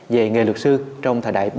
về nghề lực sư trong thời đại bốn